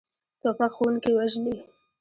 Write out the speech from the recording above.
توپک ښوونکي وژلي.